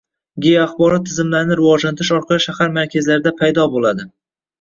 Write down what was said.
Geoaxborot tizimlarini rivojlantirish orqali shahar markazlarida paydo boʼladi